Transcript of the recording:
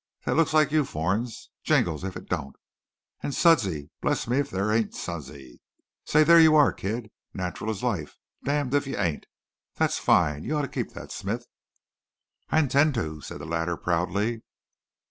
That looks like you, Fornes. Jinged if it don't! An' Suddsy! Bless me if there ain't Suddsy. Say, there you are, kid, natural as life, damned if you ain't. That's fine. You oughta keep that, smith." "I intend to," said the latter proudly.